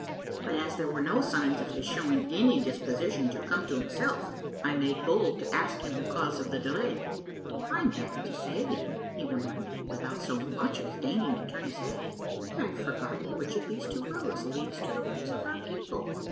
But as there were no signs of his showing any disposition to come to himself, 1 made bold to ask him the cause of the delay. " I'm happy to say," he remarked, without so much as deign ing to turn his head, " that I've forgotten which of these two roads leads to the homes of our people."